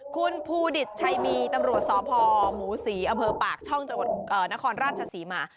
คุณภูดิตชัยมีตำรวจสพหมูศรีอำเภอปากช่องจังหวัดนครราชศรีมา